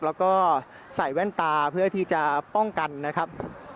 แล้วก็ใส่แว่นตาเพื่อที่จะป้องกันนะครับ